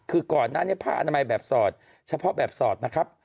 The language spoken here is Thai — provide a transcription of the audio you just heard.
คือก่อนหน้านี้ผ้าอนามัยแบบสอดเฉพาะแบบสอดนะครับ